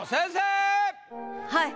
はい。